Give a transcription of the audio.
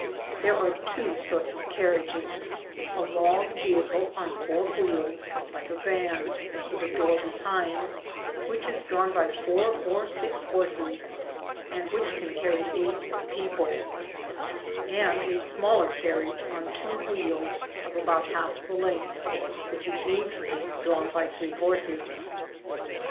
There are two sorts of carriages, a long vehicle on four wheels, like a van (with a door behiild), which is drawn by four or six horses, and which can carry eight people; and a smaller one on two wheels, about half the length, which is usually drawn by three horses.